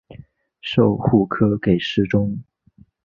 授户科给事中。